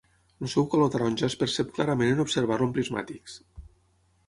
El seu color taronja es percep clarament en observar-lo amb prismàtics.